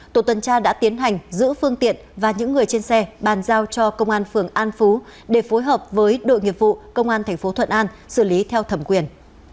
tổ tuần tra đã tiến hành giữ phương tiện và những người trên xe bàn giao cho công an phường an phú để phối hợp với đội nghiệp vụ công an tp thuận an xử lý theo thẩm quyền